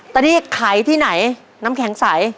ตอนนี้ขายที่ไหนน้ำแข็งใส